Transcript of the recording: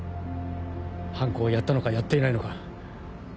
犯行をやったのかやっていないのか。